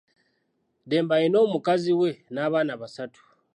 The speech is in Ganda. Dembe alina mukazi we n'abaana basatu.